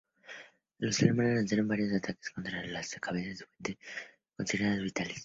Los alemanes lanzaron varios contraataques contra esas cabezas de puente, consideradas vitales.